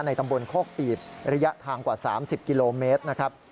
ตำบลโคกปีดระยะทางกว่า๓๐กิโลเมตรนะครับ